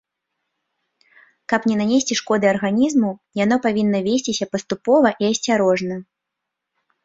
Каб не нанесці шкоды арганізму, яно павінна весціся паступова і асцярожна.